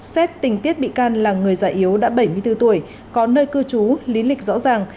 xét tình tiết bị can là người già yếu đã bảy mươi bốn tuổi có nơi cư trú lý lịch rõ ràng